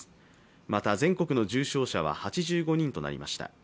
また全国の重症者は８５人となりました。